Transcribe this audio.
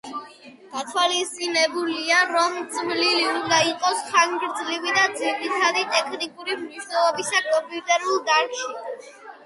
გათვალისწინებულია, რომ „წვლილი უნდა იყოს ხანგრძლივი და ძირითადი ტექნიკური მნიშვნელობისა კომპიუტერულ დარგში“.